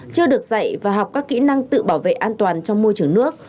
chưa được dạy và học các kỹ năng tự bảo vệ an toàn trong môi trường nước